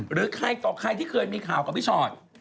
หรือใครต่อใครที่เคยมีข่าวกับพี่ชอต